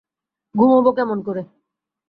ঘুমোব কেমন করে।